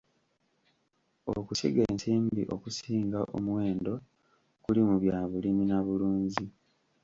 Okusiga ensimbi okusinga omuwendo kuli mu byabulimi na bulunzi.